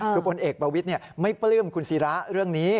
คือพลเอกประวิทย์ไม่ปลื้มคุณศิระเรื่องนี้